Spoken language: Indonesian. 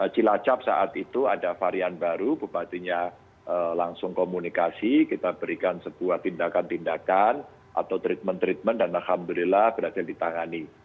cilacap saat itu ada varian baru bupatinya langsung komunikasi kita berikan sebuah tindakan tindakan atau treatment treatment dan alhamdulillah berhasil ditangani